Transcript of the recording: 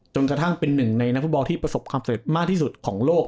กระทั่งเป็นหนึ่งในนักฟุตบอลที่ประสบความสำเร็จมากที่สุดของโลก